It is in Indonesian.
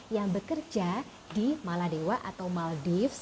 yang bekerja di maladewa atau maldives